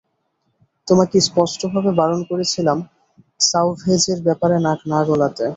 তোমাকে স্পষ্টভাবে বারণ করেছিলাম সাওভ্যাজের ব্যাপারে নাক না গলাতে।